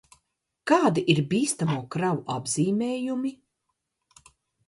Kādi ir bīstamo kravu apzīmējumi?